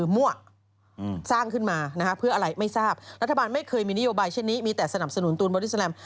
บริษัทบาลไม่เคยมีนโยบายเช่นนี้มีแต่สนับสนุนตูนโบราษาแรม